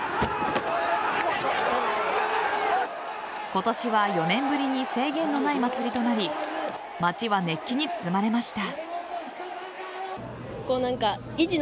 今年は４年ぶりに制限のない祭りとなり街は熱気に包まれました。